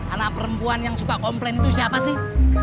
anak perempuan yang suka komplain itu siapa sih